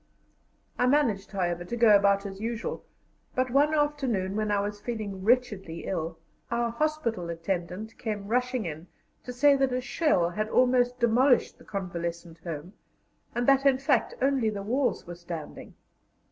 I managed, however, to go about as usual, but one afternoon, when I was feeling wretchedly ill, our hospital attendant came rushing in to say that a shell had almost demolished the convalescent home, and that, in fact, only the walls were standing.